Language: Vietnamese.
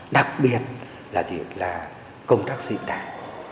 đặc biệt là việc là công tác xịn đảng